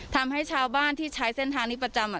ทำให้ชาวบ้านที่ใช้เส้นทางนี้ประจำ